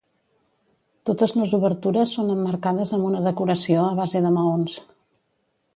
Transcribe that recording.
Totes les obertures són emmarcades amb una decoració a base de maons.